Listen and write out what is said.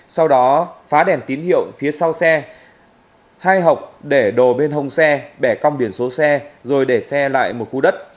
sau đó phá đèn tín hiệu phía sau xe hai hộp để đồ bên hông xe bẻ cong biển số xe rồi để xe lại một khu đất